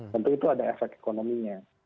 tentu itu ada efek ekonominya